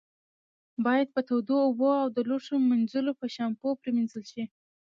باید په تودو اوبو او د لوښو منځلو په شامپو پرېمنځل شي.